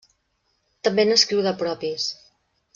També n'escriu de propis.